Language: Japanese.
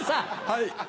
はい。